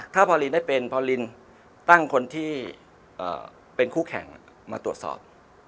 ถ้าพอลินได้เป็นพอลินตั้งคนที่เป็นคู่แข่งมาตรวจสอบ